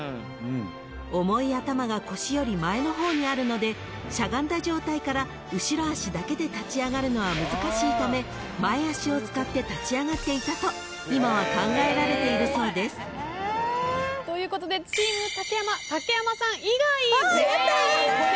［重い頭が腰より前の方にあるのでしゃがんだ状態から後ろ足だけで立ち上がるのは難しいため前足を使って立ち上がっていたと今は考えられているそうです］ということでチーム竹山竹山さん以外全員正解。